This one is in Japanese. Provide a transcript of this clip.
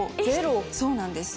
そうなんです。